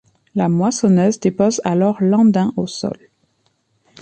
La moissonneuse dépose alors l'andain au sol.